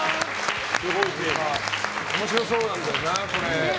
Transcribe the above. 面白そうなんだよな、これ。